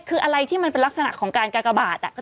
คืออะไรที่มันเป็นลักษณะของการกากบาท